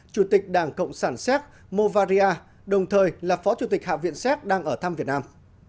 chủ tịch đảng cộng sản séc movaria đồng thời là phó chủ tịch hạ viện séc đang ở thăm việt nam